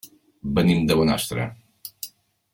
Venim de Bonastre.